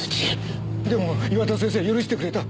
でも岩田先生は許してくれた。